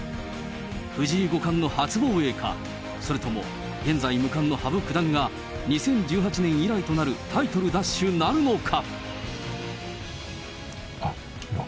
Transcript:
藤井五冠の初防衛か、それとも現在無冠の羽生九段が、２０１８年以来となるタイトル奪取なるのか。